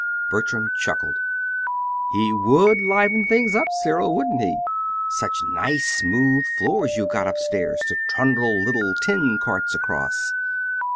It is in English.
Bertram chuckled. "He WOULD liven things up, Cyril; wouldn't he? Such nice smooth floors you've got up stairs to trundle little tin carts across!"